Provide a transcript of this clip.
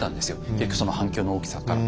結局その反響の大きさから。